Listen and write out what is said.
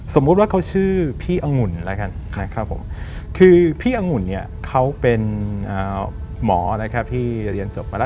สมมุติว่าเขาชื่อพี่องุ่นคือพี่องุ่นเขาเป็นหมอที่เรียนจบมาแล้ว